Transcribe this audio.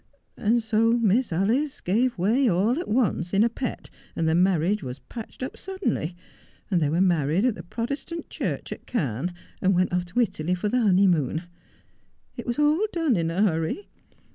And so Misa Alice gave way all at once in a pet, and the marriage was patched up suddenly, and they were married at the Protestant Church at Cannes, and went off to Italy for the honeymoon. It was all done in a hurry.